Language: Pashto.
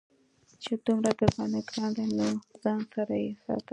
چې دومره درباندې گران دى نو له ځان سره يې ساته.